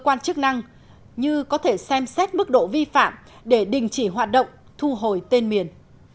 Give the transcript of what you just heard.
cơ quan chức năng như có thể xem xét mức độ vi phạm để đình chỉ hoạt động thu hồi tên miền